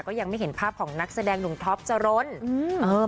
ก็ยังไม่เห็นภาพของนักแสดงหนุ่มท็อปจรนอืม